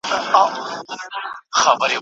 دا به منو چي توره نه وي پښتو نه پاتیږي